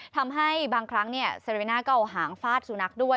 ทำให้บางครั้งเซริน่าก็เอาหางฟาดสุนัขด้วย